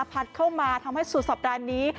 พัดเข้ามาทำให้สุดสัปดาห์นี้